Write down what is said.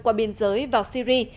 qua biên giới vào syri